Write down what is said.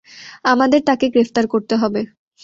আমাদের তাকে গ্রেফতার করতে হবে।